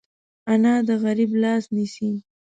انا د غریب لاس نیسي